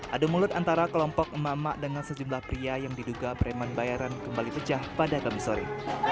adu mulut antara kelompok emak emak dengan sejumlah pria yang diduga preman bayaran kembali pecah pada kamis sore